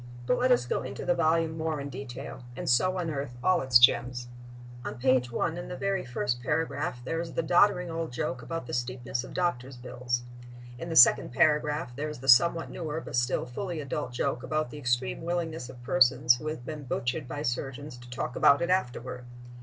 But let us go into the volume more in detail, and so unearth all its gems. On page 1, in the very first paragraph, there is the doddering old joke about the steepness of doctors' bills. In the second paragraph there is the somewhat newer but still fully adult joke about the extreme willingness of persons who have been butchered by surgeons to talk about it afterward.